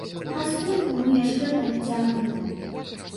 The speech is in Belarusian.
А стойку мы яшчэ падцягнем.